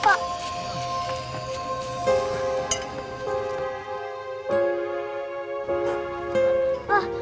pak berhenti pak